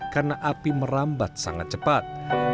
karena api merambat sangat cepat